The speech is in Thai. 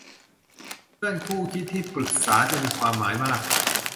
เพื่อนคู่คิดที่ปรึกษาจะมีความหมายมาก